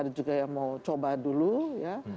ada juga yang mau coba dulu ya